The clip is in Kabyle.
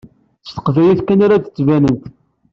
S teqbaylit kan ara ad tbanemt.